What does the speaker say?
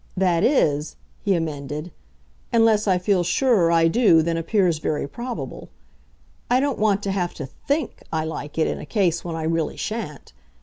That is," he amended, "unless I feel surer I do than appears very probable. I don't want to have to THINK I like it in a case when I really shan't.